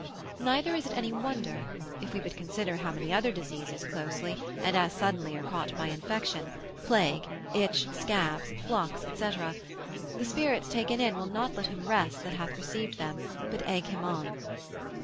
Neither is it any wonder, if we but consider how many other diseases closely, and as suddenly are caught by infection, plague, itch, scabs, flux, &c. The spirits taken in, will not let him rest that hath received them, but egg him on.